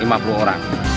dari lima puluh orang